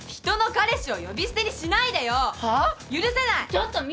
人の彼氏を呼び捨てにしないでよ！はっ？